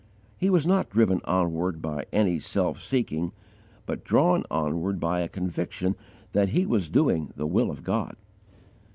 He was not driven onward by any self seeking, but drawn onward by a conviction that he was doing the will of God.